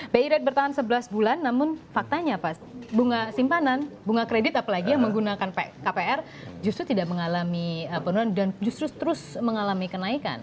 bi rate bertahan sebelas bulan namun faktanya simpanan bunga kredit apalagi yang menggunakan kpr justru tidak mengalami penurunan dan justru terus mengalami kenaikan